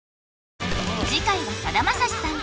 次回はさだまさしさん